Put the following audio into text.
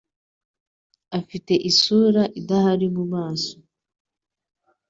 Afite isura idahari mu maso.